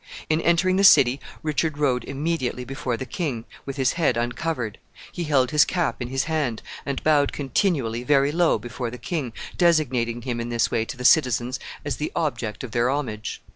In entering the city Richard rode immediately before the king, with his head uncovered. He held his cap in his hand, and bowed continually very low before the king, designating him in this way to the citizens as the object of their homage.